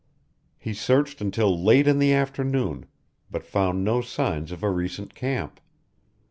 He searched until late in the afternoon, but found no signs of a recent camp.